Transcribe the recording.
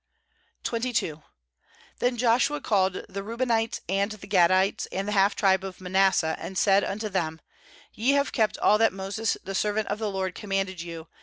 OO Then Joshua called the Reu ^^ benites, and the Gadites, and the half tribe of Manasseh, 2and said unto them: 'Ye have kept all that Moses the servant of the LORD com manded you.